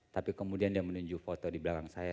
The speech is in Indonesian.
tapi kemudian dia menunjuk foto di belakang saya